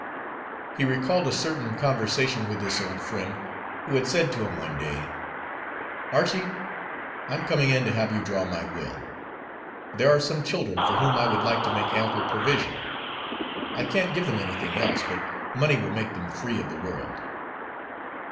He recalled a certain conversation with this old friend, who had said to him one day: "Archie, I'm coming in to have you draw my will. There are some children for whom I would like to make ample provision. I can't give them anything else, but money will make them free of the world."